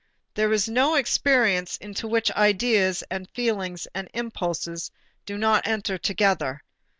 There is no experience into which ideas, and feelings, and impulses do not enter together.